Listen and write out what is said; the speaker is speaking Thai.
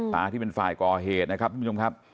ที่เป็นฝ่ายก่อเหตุนะครับทุกผู้ชมครับ